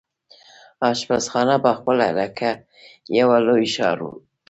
اشپزخانه پخپله لکه یو لوی ښار وو.